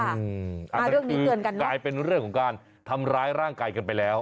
อันนี้คือกลายเป็นเรื่องของการทำร้ายร่างกายกันไปแล้ว